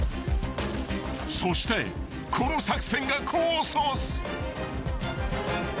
［そしてこの作戦が功を奏す］